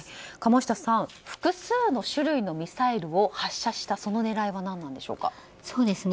鴨下さん複数の種類のミサイルを発射した狙いは何なんでしょうか。